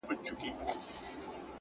زه په دې خپل سركــي اوبـــه څـــښـمــه;